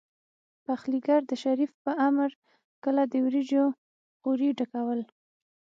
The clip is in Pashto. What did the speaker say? پخليګر د شريف په امر کله د وريجو غوري ډکول.